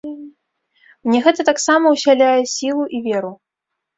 Мне гэта таксама ўсяляе сілу і веру.